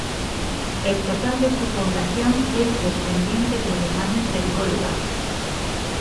El total de su población es descendiente de alemanes del Volga.